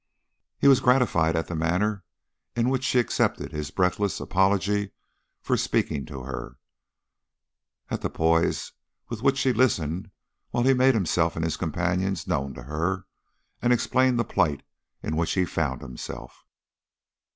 He was gratified at the manner in which she accepted his breathless apology for speaking to her, at the poise with which she listened while he made himself and his companions known to her and explained the plight in which he found himself.